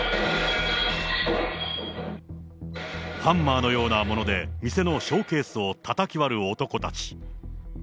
ハンマーのようなもので店のショーケースをたたき割る男たち。